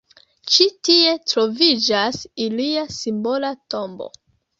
Ĉi tie troviĝas ilia simbola tombo.